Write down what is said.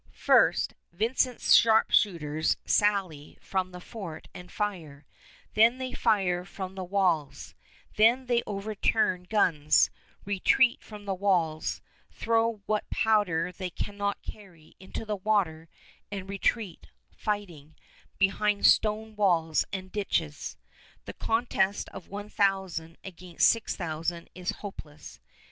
First, Vincent's sharpshooters sally from the fort and fire; then they fire from the walls; then they overturn guns, retreat from the walls, throw what powder they cannot carry into the water, and retreat, fighting, behind stone walls and ditches. The contest of one thousand against six thousand is hopeless.